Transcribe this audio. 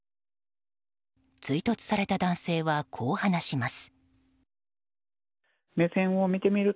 追突された男性はこう話します。